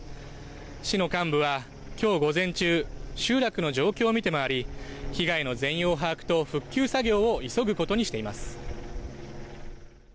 市の幹部はきょう午前中、集落の状況を見て回り被害の全容把握と復旧作業を急ぐことにしています。